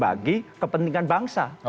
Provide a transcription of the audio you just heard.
bagi kepentingan bangsa